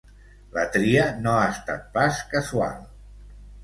La tria no ha estat pas casual.